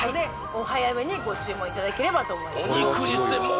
お早めにご注文いただければと思います